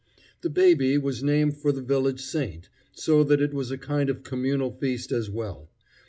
The baby was named for the village saint, so that it was a kind of communal feast as well.